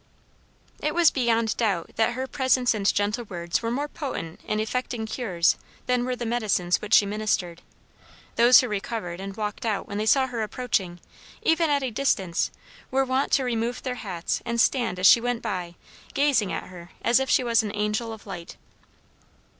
It was beyond doubt that her presence and gentle words were more potent in effecting cures than were the medicines which she administered. Those who recovered and walked out when they saw her approaching, even at a distance, were wont to remove their hats and stand as she went by gazing at her as if she was an angel of light.